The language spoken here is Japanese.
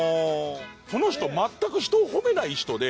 その人全く人を褒めない人で。